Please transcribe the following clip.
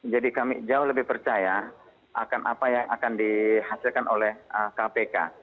jadi kami jauh lebih percaya akan apa yang akan dihasilkan oleh kpk